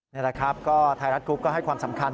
นี่แหละครับก็ไทยรัฐกรุ๊ปก็ให้ความสำคัญ